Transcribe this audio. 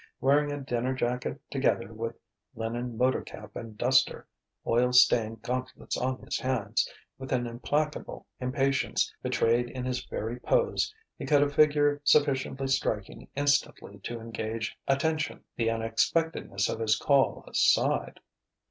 Wearing a dinner jacket together with linen motor cap and duster, oil stained gauntlets on his hands, with an implacable impatience betrayed in his very pose, he cut a figure sufficiently striking instantly to engage attention the unexpectedness of his call aside.